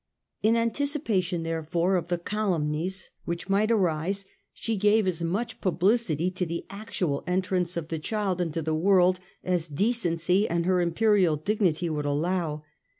In anticipation, therefore, of the calumnies which might arise, she gave as much publicity to the actual entrance of the child into the world as decency and her Imperial dignity would allow.